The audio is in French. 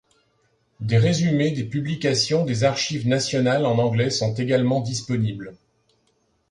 Des résumés des publications des Archives nationales en anglais sont également disponibles.